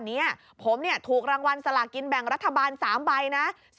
นี้ผมถูกรางวัลสลากินแบ่งรัฐบาล๓ใบนะ